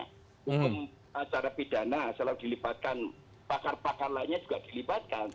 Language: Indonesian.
hukum acara pidana selalu dilibatkan pakar pakar lainnya juga dilibatkan